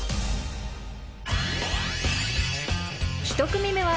［１組目は］